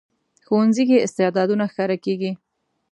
ښوونځی کې استعدادونه ښکاره کېږي